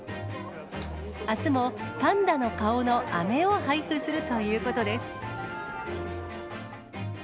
あすもパンダの顔のあめを配布するということです。